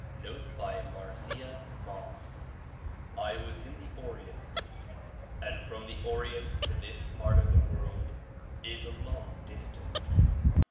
Notes by Marzieh Moss I WAS in the Orient, and from the Orient to this part of the world is a long distance.